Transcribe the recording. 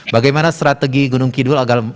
bagaimana strategi gunung kidul